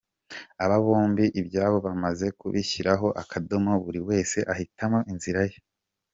Aba bombi ibyabo bamaze kubishyiraho akadomo buri wese ahitamo inzira ye.